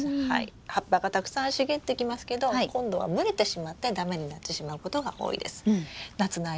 葉っぱがたくさん茂ってきますけど今度は蒸れてしまって駄目になってしまうことが多いです。